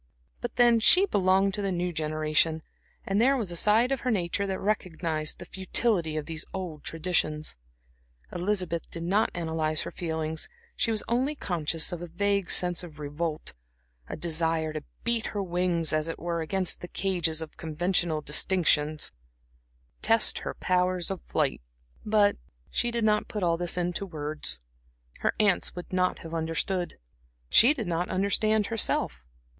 But then she belonged to the new generation; and there was a side of her nature that recognized the futility of these old traditions. Elizabeth did not analyze her feelings; she was only conscious of a vague sense of revolt, a desire to beat her wings as it were, against the cages of conventional distinctions, and test her powers of flight. But she did not put all this into words. Her aunts would not have understood. She did not understand herself.